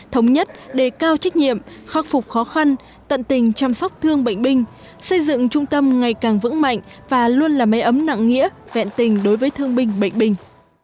thống nhất đề cao trách nhiệm khắc phục khó khăn tận tình chăm sóc thương bệnh binh xây dựng trung tâm ngày càng vững mạnh và luôn là mê ấm nặng nghĩa vẹn tình đối với thương binh bệnh binh